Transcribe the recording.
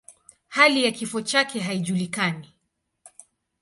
Hali ya kifo chake haijulikani.